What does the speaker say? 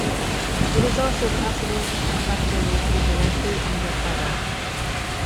It is also possible to puff up the roti directly on the tava.